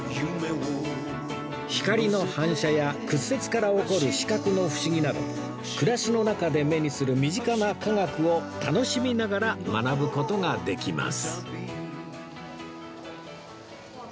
光の反射や屈折から起こる視覚の不思議など暮らしの中で目にする身近な科学を楽しみながら学ぶ事ができます